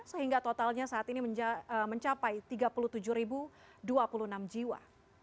sehingga totalnya saat ini mencapai tiga puluh tujuh dua puluh enam jiwa